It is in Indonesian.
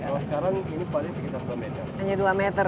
kalau sekarang ini paling sekitar dua meter